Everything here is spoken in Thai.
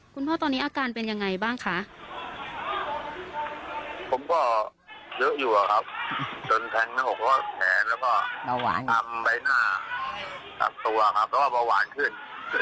คุณพ่อตอนนี้อาการเป็นยังไงบ้างค่ะผมก็เยอะอยู่หรอครับจนแพงน้้ำหกก็แผนแล้วก็อำไปหน้าตัวครับก็ว่าว่าหวานขึ้น